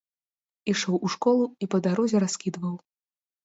Ішоў у школу і па дарозе раскідваў.